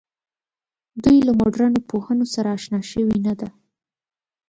دوی له مډرنو پوهنو سره آشنا شوې نه ده.